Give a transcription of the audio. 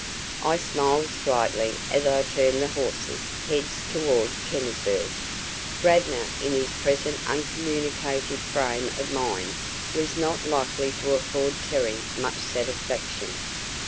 I smiled slightly as I turned the horses' heads toward Kennisburg. Radnor in his present uncommunicative frame of mind was not likely to afford Terry much satisfaction.